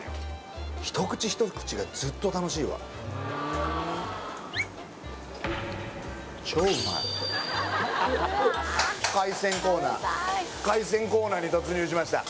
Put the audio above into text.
一口一口がずっと楽しいわ海鮮コーナー海鮮コーナーに突入しました